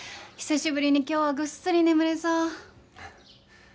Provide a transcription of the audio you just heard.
久しぶりに今日はぐっすり眠れそう。